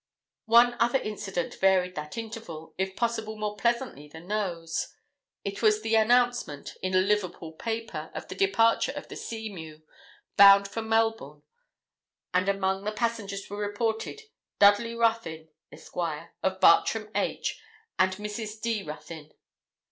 One other incident varied that interval, if possible more pleasantly than those. It was the announcement, in a Liverpool paper, of the departure of the Seamew, bound for Melbourne; and among the passengers were reported 'Dudley Ruthyn, Esquire, of Bartram H., and Mrs. D. Ruthyn.'